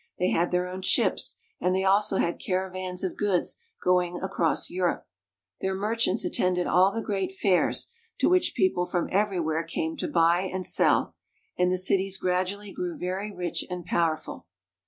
They had their own ships, and they also had caravans of goods going across Europe. Their merchants attended all the great fairs, to which people from every where came to buy and sell ; and the cities gradually grew very rich and powerful.